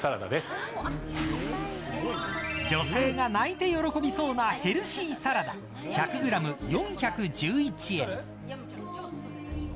女性が泣いて喜びそうなヘルシーサラダ１００グラム４１１円。